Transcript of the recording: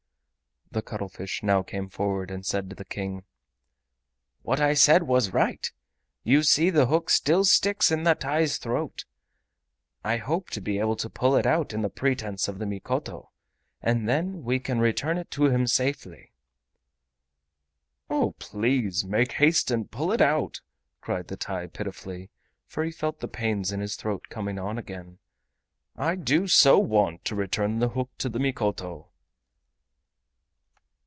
The cuttlefish now came forward, and said to the King: "What I said was right. You see the hook still sticks in the TAI'S throat. I hope to be able to pull it out in the presence of the Mikoto, and then we can return it to him safely!" "O please make haste and pull it out!" cried the TAI, pitifully, for he felt the pains in his throat coming on again; "I do so want to return the hook to the Mikoto."